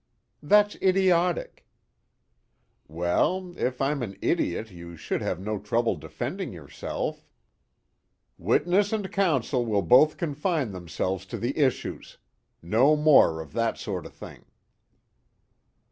"That's idiotic." "Well, if I'm an idiot you should have no trouble defending yourself." "Witness and counsel will both confine themselves to the issues. No more of that sort of thing."